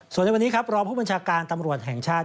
ส่วนในวันนี้ครับรองผู้บัญชาการตำรวจแห่งชาติ